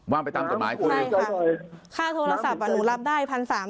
ไปตามกฎหมายคุณใช่ค่ะค่าโทรศัพท์อ่ะหนูรับได้พันสาม